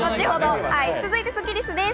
続いてスッキりす。